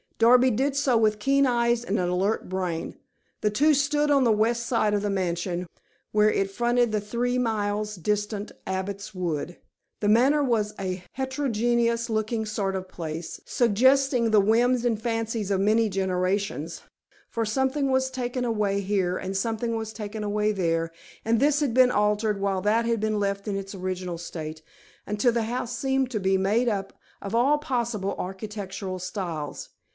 Darby did so with keen eyes and an alert brain. The two stood on the west side of the mansion, where it fronted the three miles distant Abbot's Wood. The Manor was a heterogeneous looking sort of place, suggesting the whims and fancies of many generations, for something was taken away here, and something was taken away there, and this had been altered, while that had been left in its original state, until the house seemed to be made up of all possible architectural styles.